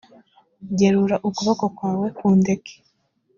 gerura ukuboko kwawe kundeke